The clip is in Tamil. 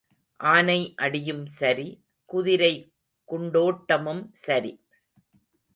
ஆனை அடியும் சரி, குதிரை குண்டோட்டமும் சரி.